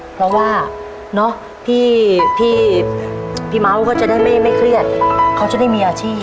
เพราะว่าเนอะพี่พี่พี่พี่เม้าก็จะได้ไม่ไม่เครียดเขาจะได้มีอาชีพ